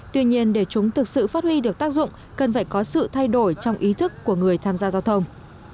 tuy nhiên để chúng thực sự phát huy được tác dụng cần phải có sự thay đổi trong ý thức của người tham gia giao thông